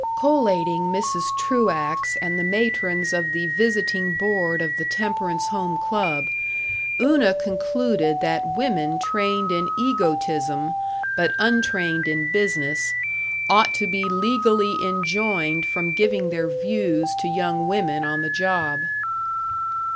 Collating Mrs. Truax and the matrons of the Visiting Board of the Temperance Home Club, Una concluded that women trained in egotism, but untrained in business, ought to be legally enjoined from giving their views to young women on the job.